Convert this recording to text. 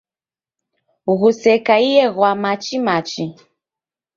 Ghusekaiye ghwa machi machi